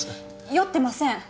酔ってません！